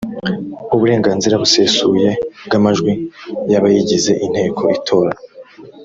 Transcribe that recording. uburenganzira busesuye bw’amajwi y’abayigize inteko itora